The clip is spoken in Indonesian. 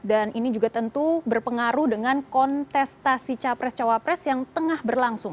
dan ini juga tentu berpengaruh dengan kontestasi capres cawapres yang tengah berlangsung